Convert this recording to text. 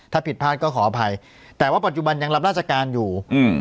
ถ้าผิดพลาดก็ขออภัยแต่ว่าปัจจุบันยังรับราชการอยู่อืม